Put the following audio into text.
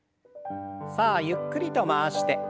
さあゆっくりと回して。